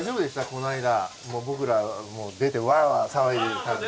この間僕ら出てワーワー騒いでたんで。